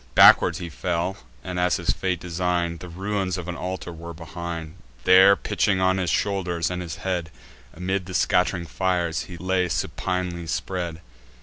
Backward he fell; and, as his fate design'd, The ruins of an altar were behind: There, pitching on his shoulders and his head, Amid the scatt'ring fires he lay supinely spread.